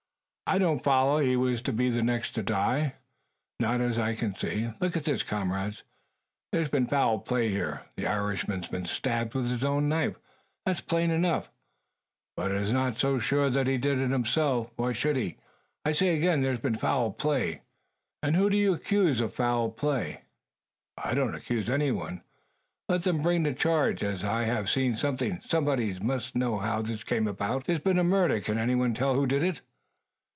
"It don't follow he was to be the next to die, not as I can see. Look at this, comrades! There's been foul play here! The Irishman's been stabbed with his own knife. That's plain enough; but it is not so sure he did it himself, Why should he? I say again, there's been foul play?" "And who do you accuse of foul play?" "I don't accuse anyone. Let them bring the charge, as have seen something. Somebody must know how this came about. There's been a murder. Can anyone tell who did it?"